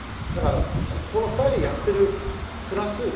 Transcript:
だからこの２人でやってるプラス